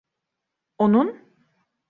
Onun?